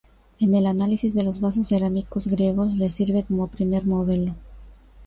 En el análisis de los vasos cerámicos griegos le sirve como primer modelo.